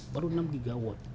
baru enam gigawatt